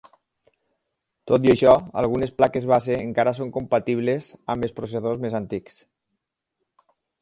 Tot i això, algunes plaques base encara són compatibles amb els processadors més antics.